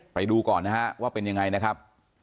ไปดูก่อนนะฮะว่าเป็นยังไงนะครับ